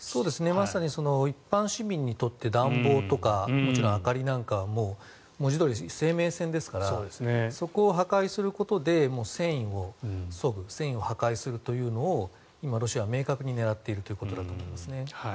まさに一般市民にとって暖房とかもちろん明かりなんかは文字どおり生命線ですからそこを破壊することで戦意をそぐ戦意を破壊するというのを今、ロシアは明確に狙っているということだと思いますね。